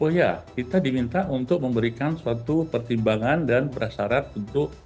oh ya kita diminta untuk memberikan suatu pertimbangan dan prasarat untuk